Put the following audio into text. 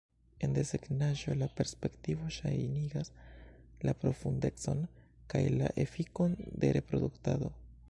En desegnaĵo, la perspektivo ŝajnigas la profundecon kaj la efikon de reduktado.